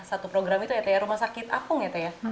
satu program itu ya teh rumah sakit apung